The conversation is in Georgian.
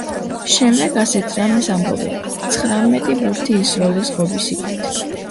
შემდეგ ასეთ რამეს ამბობენ — ცხრამეტი ბურთი ისროლეს ღობის იქით.